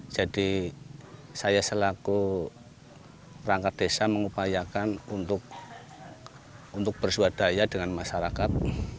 jadi saya selaku rangka desa mengupayakan untuk bersuadaya dengan masyarakat